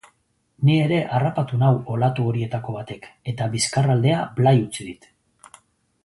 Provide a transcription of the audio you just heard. Ni ere harrapatu nau olatu horietako batek eta bizkar aldea blai utzi dit.